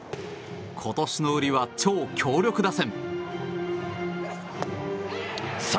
今年の売りは超強力打線。